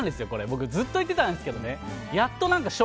僕、ずっと言ってたんですけどね。